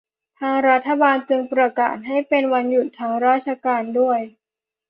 ทางรัฐบาลจึงประกาศให้เป็นวันหยุดทางราชการด้วย